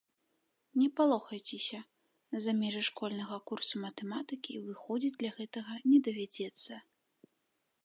Не палохайцеся, за межы школьнага курсу матэматыкі выходзіць для гэтага не давядзецца.